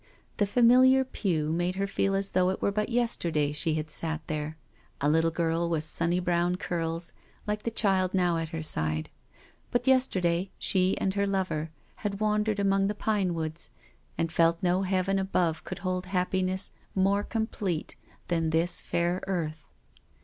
The familiar pew made her feel as though it were but yesterday she had sat there, a little girl with sunny brown curls, like the child now at her side; but yesterday she and her lover had wandered among the pine woods, and felt no heaven above could hold hap piness more complete than this fair earth.